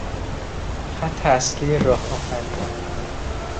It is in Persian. خط اصلی راه آهن